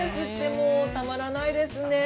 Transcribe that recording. もうたまらないですね。